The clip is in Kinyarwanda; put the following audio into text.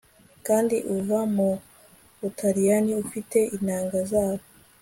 Kandi uva mu Butaliyani ufite inanga zabo